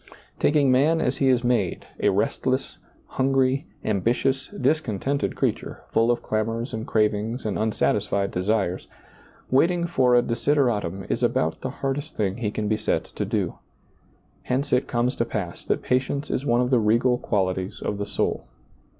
Taking man ^lailizccbvGoOgle 68 SEEING DARKLY as he is made, a restless, hungry, ambitious, discontented creature, full of clamors and crav ings and unsatisfied desires — waiting for a desider atum is about the hardest thing he can be set to do. Hence it comes to pass that patience is one of the regal qualities of the soul.